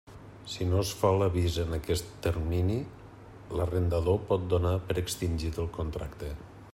Si no es fa l'avís en aquest termini, l'arrendador pot donar per extingit el contracte.